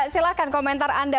silakan komentar anda